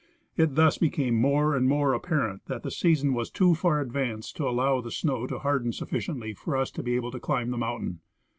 It thus became more and more appar ent that the season was too far advanced to alloAV the snow to harden sufficiently for us to be able to climb the mountain.